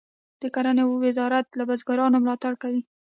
د کرنې وزارت له بزګرانو ملاتړ کوي.